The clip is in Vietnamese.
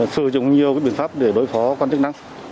sử dụng nhiều biện pháp để đối phó quan chức năng